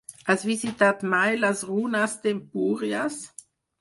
Has visitat mai les runes d'Empúries?